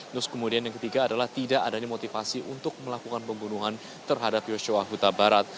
terus kemudian yang ketiga adalah tidak adanya motivasi untuk melakukan pembunuhan terhadap yosua huta barat